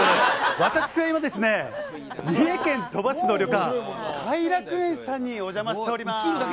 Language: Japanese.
私は今、三重県鳥羽市の旅館、海楽園さんにお邪魔しております。